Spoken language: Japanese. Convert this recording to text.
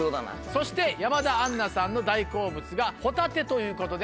そして山田杏奈さんの大好物がホタテということで。